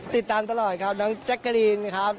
ติดตามตลอดครับน้องแจ๊กกะรีนครับ